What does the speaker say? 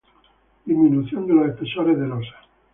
Disminución de los espesores de losa.